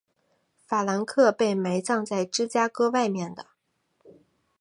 法兰克被埋葬在芝加哥外面的。